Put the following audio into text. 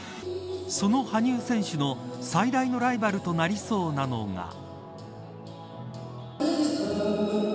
その羽生選手の最大ライバルとなりそうなのが。